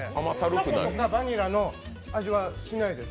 チョコとかバニラの味はしないです。